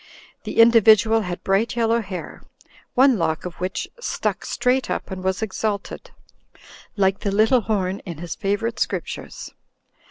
The individual had bright yellow hair, one lock of which stuck straight up and was exalted, like the little horn in his favorite scriptures.